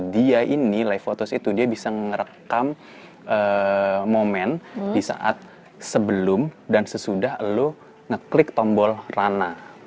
dia ini live photos itu dia bisa merekam momen di saat sebelum dan sesudah lo ngeklik tombol rana